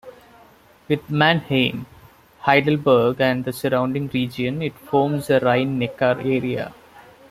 With Mannheim, Heidelberg and the surrounding region, it forms the Rhine Neckar Area.